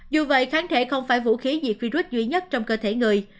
dù vậy kháng thể không phải vũ khí diệt virus duy nhất trong cơ thể người